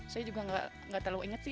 saya juga nggak terlalu ingat sih